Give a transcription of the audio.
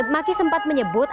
maki sempat menyebut